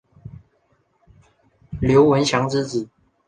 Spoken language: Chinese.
刘文翔之子。